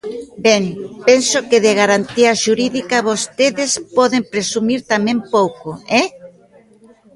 Ben, penso que de garantía xurídica vostedes poden presumir tamén pouco, ¡eh!